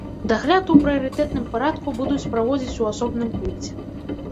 Дагляд у прыярытэтным парадку будуць праводзіць у асобным пункце.